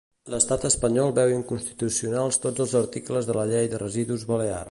L'estat espanyol veu inconstitucionals tots els articles de la llei de residus balear.